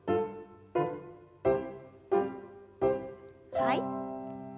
はい。